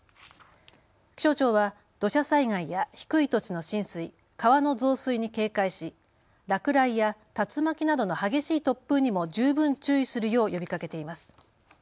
気象庁は土砂災害や低い土地の浸水、川の増水に警戒し落雷や竜巻などの激しい突風にも十分注意するよう呼びかけています。